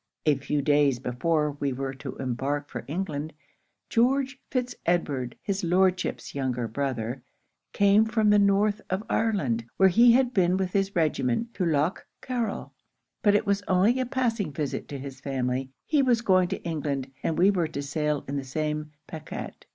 A few days before we were to embark for England, George Fitz Edward, his Lordship's younger brother, came from the north of Ireland, where he had been with his regiment, to Lough Carryl; but it was only a passing visit to his family he was going to England, and we were to sail in the same pacquet.'